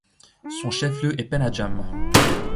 Son chef-lieu est Penajam.